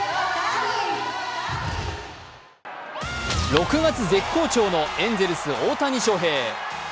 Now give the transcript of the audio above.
６月絶好調のエンゼルス・大谷翔平。